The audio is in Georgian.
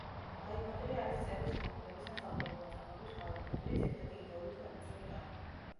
ლაიტმოტივი არის მწერლის შემოქმედების ან ცალკეული ნაწარმოების მთავარი მოტივი, ძირითადი იდეური თუ ემოციური ტონი.